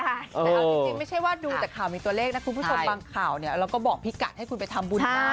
แต่เอาจริงไม่ใช่ว่าดูจากข่าวมีตัวเลขนะคุณผู้ชมบางข่าวเนี่ยเราก็บอกพี่กัดให้คุณไปทำบุญได้